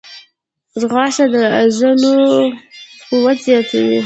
ځغاسته د عضلو قوت زیاتوي